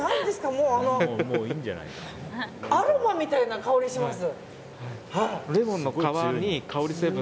もうアロマみたいな香りします。